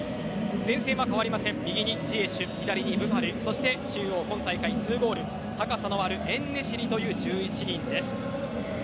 前線は変わりません右にジエシュ、左にブファル中央は今大会２ゴール高さのあるエンネシリという１１人。